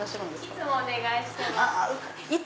いつもお願いしてます。